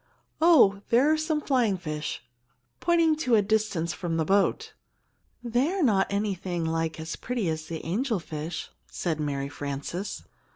"Oh, there are some of the flying fish," pointing to a distance from the boat. "They are not anything like as pretty as the angel fish," said Mary Frances.